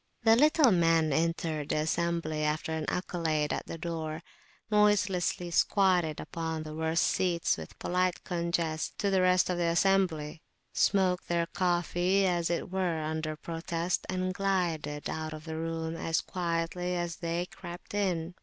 The little men entered the assembly, after an accolade at the door, noiselessly, squatted upon the worst seats with polite conges to the rest of the assembly; smoked, took their coffee, as it were, under protest, and glided out of the room as quietly as they crept in.